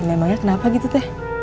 emangnya kenapa gitu teh